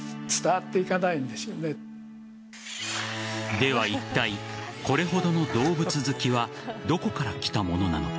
ではいったいこれほどの動物好きはどこからきたものなのか。